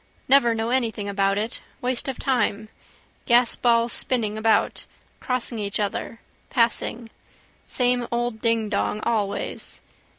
Never know anything about it. Waste of time. Gasballs spinning about, crossing each other, passing. Same old dingdong always.